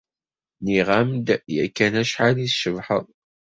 Nniɣ-am-d yakan acḥal i tcebḥeḍ?